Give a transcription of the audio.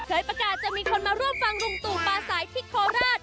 ประกาศจะมีคนมาร่วมฟังลุงตู่ปลาสายที่โคราช